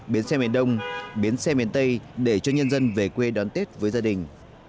biến xe miền đông biến xe miền tây để cho nhân dân về quê đón tết với gia đình